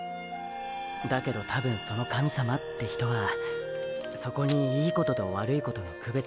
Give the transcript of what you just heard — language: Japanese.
だけどたぶんその神様って人はそこに“いいこと”と“悪いこと”の区別はない。